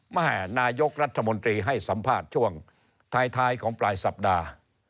แม่นายกรัฐมนตรีให้สัมภาษณ์ช่วงท้ายของปลายสัปดาห์